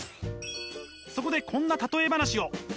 そこでこんな例え話を。